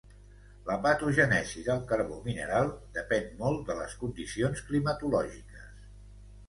La patogènesi del carbó mineral depèn molt de les condicions climatològiques.